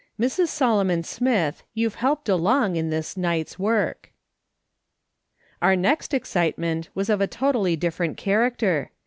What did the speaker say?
"MRS. SOLOMON SMITH, YOLTVE HELPED ALONG IN THIS NIGHTS WORK." Our next excitement was of a totally different cha racter.